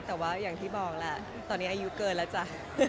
แต่ว่าอย่างที่บอกแหละตอนนี้อายุเกินแล้วจ้ะ